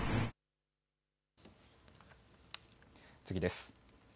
次です。